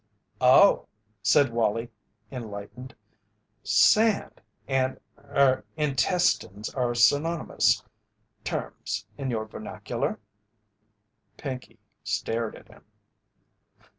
"Oh," said Wallie, enlightened. "'Sand' and er intestines are synonymous terms in your vernacular?" Pinkey stared at him.